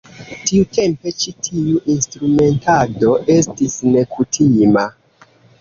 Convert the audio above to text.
Tiutempe ĉi tiu instrumentado estis nekutima.